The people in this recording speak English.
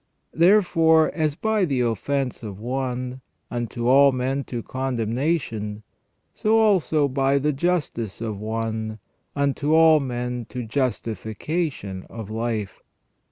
Therefore as by the offence of one, unto all men to condemnation : so also by the justice of One, unto all men to justification of life.